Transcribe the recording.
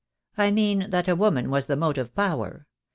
I mean that a woman was the motive power.